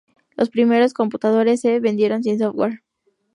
Los primeros computadores se vendieron sin software.